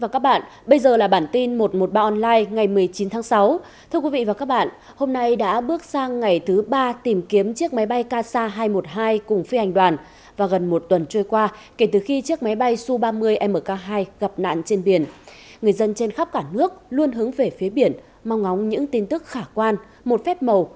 các bạn hãy đăng ký kênh để ủng hộ kênh của chúng mình nhé